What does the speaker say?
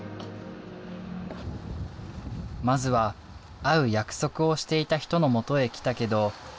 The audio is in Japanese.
まずは会う約束をしていた人のもとへ来たけど開いていない。